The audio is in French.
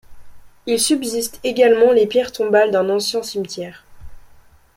Il subsiste également les pierres tombales d'un ancien cimetière.